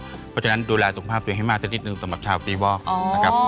เพราะฉะนั้นดูแลสุขภาพตัวเองให้มากสักนิดนึงสำหรับชาวปีวอกนะครับ